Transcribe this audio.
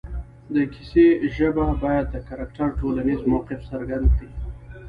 د کیسې ژبه باید د کرکټر ټولنیز موقف څرګند کړي